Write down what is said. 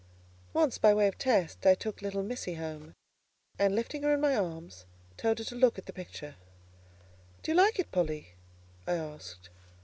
Once, by way of test, I took little Missy Home, and, lifting her in my arms, told her to look at the picture. "Do you like it, Polly?" I asked.